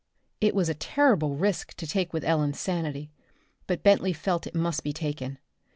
It was a terrible risk to take with Ellen's sanity, but Bentley felt it must be taken.